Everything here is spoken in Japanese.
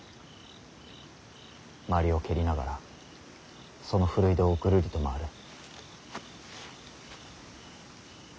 鞠を蹴りながらその古井戸をぐるりと回る。